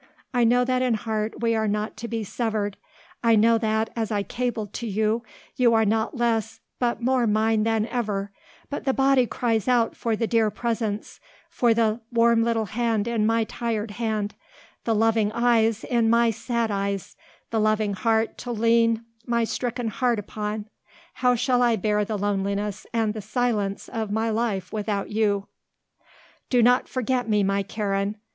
I know that in heart we are not to be severed; I know that, as I cabled to you, you are not less but more mine than ever; but the body cries out for the dear presence; for the warm little hand in my tired hand, the loving eyes in my sad eyes, the loving heart to lean my stricken heart upon. How shall I bear the loneliness and the silence of my life without you? "Do not forget me, my Karen.